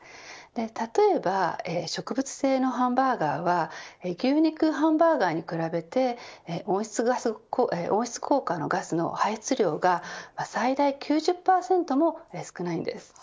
例えば植物性のハンバーガーは牛肉ハンバーガーに比べて温室効果のガスの排出量が最大９０％も少ないんです。